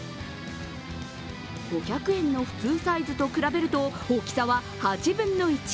５００円の普通サイズと比べると、大きさは８分の１。